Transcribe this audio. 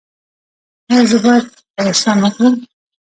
ایا زه باید احسان وکړم؟